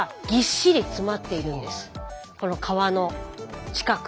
この皮の近く。